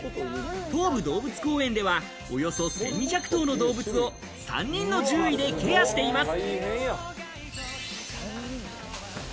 東武動物公園ではおよそ１２００頭の動物を３人の獣医でケアしています。